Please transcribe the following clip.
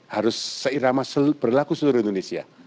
harus seirama berlaku seluruh indonesia